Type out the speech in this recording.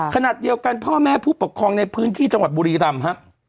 ขณะเดียวกันพ่อแม่ผู้ปกครองในพื้นที่จังหวัดบุรีรำฮะ